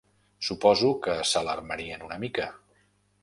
Suposo que s'alarmarien una mica.